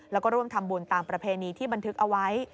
แล้วก็ร่วมทำบุญตามประเพณีที่บันทึกเอาไว้